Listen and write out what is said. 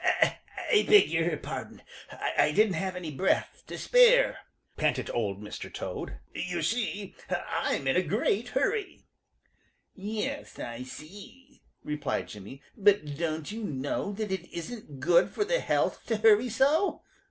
"I I beg your pardon. I didn't have any breath to spare," panted Old Mr. Toad. "You see I'm in a great hurry." "Yes, I see," replied Jimmy. "But don't you know that it isn't good for the health to hurry so?